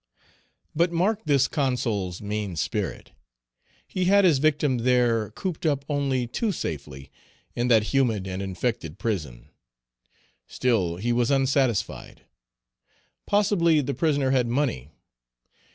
But mark this Consul's mean spirit. He had his victim there cooped up only too safely in that humid and infected prison. Still he was unsatisfied. Possibly the prisoner had money.